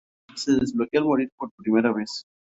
Se desbloquea al morir por primera vez.